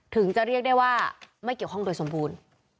ถึงจะเรียกได้ว่าไม่เกี่ยวข้องโดยสมบูรณ์